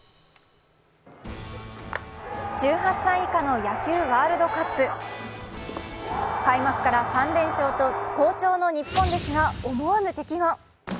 １８歳以下の野球ワールドカップ開幕から３連勝と好調の日本ですが思わぬ敵が。